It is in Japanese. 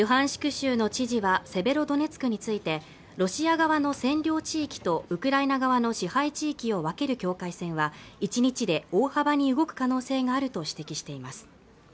州の知事はセベロドネツクについてロシア側の占領地域とウクライナ側の支配地域を分ける境界線は１日で大幅に動く可能性があると指摘しています